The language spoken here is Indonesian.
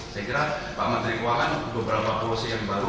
saya kira pak menteri keuangan beberapa polisi yang baru